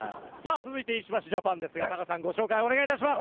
続いて石橋ジャパンですがタカさんご紹介お願いいたします。